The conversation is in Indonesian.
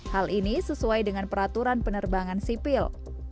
hal ini sesuai dengan peraturan penerbangan sipil